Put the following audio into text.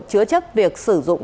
chữa chấp việc sử dụng